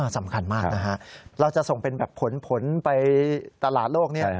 สำคัญมากนะฮะเราจะส่งเป็นแบบผลไปตลาดโลกนี้